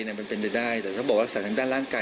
มันเป็นไปได้แต่ถ้าบอกว่ารักษาทางด้านร่างกาย